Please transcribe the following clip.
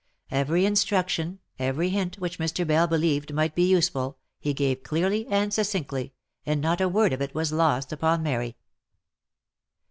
Every instruction, every hint which Mr. Bell believed might be useful, he gave clearly and succinctly, and not a word of it was lost upon Mary.